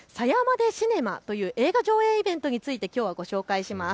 ｄｅシネマという映画上映イベントについてきょうはご紹介します。